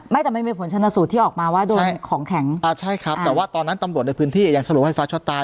แต่มันมีผลชนสูตรที่ออกมาว่าโดนของแข็งอ่าใช่ครับแต่ว่าตอนนั้นตำรวจในพื้นที่อ่ะยังสรุปให้ฟ้าช็อตตาย